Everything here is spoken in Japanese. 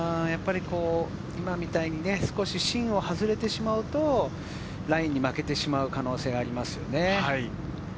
今、みたいに芯を外れてしまうと、ラインに負けてしまう可能性がありますね。